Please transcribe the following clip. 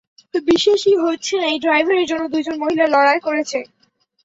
বিশ্বাস-ই হচ্ছেনা এই ড্রাইভারের জন্যে দুইজন মহিলা লড়ায় করছে।